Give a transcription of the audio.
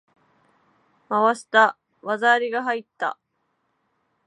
回した！技ありが入った！